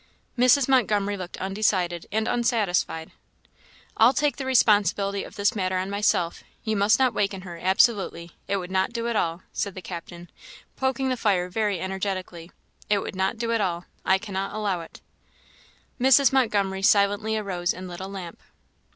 Mrs. Montgomery looked undecided and unsatisfied. "I'll take the responsibility of this matter on myself; you must not waken her, absolutely. It would not do at all," said the captain, poking the fire very energetically; "it would not do at all; I cannot allow it." Mrs. Montgomery silently arose and lit a lamp.